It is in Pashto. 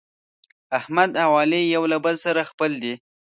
احمد او علي یو له بل سره خپل دي.